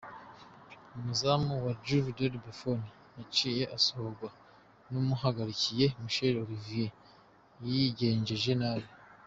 Umunyezamu wa Juve, Gianluigi Buffon yaciye asohogwa n'umuhagarikizi Michael Olivier yigenjeje nabi.